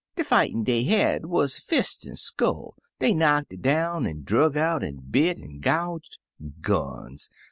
"De fightin' dey had wuz fist an' skull; dey knocked down an' drug out, an' bit an' gouged. Guns